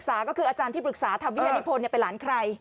อาจารย์ที่ปรึกษาถวิญญาณพลเป็นหลานใคร